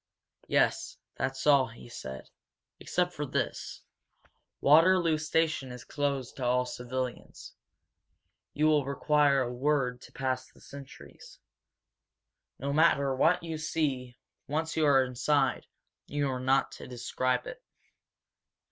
"Yes, that's all," he said. "Except for this. Waterloo station is closed to all civilians. You will require a word to pass the sentries. No matter what you see, once you are inside, you are not to describe it.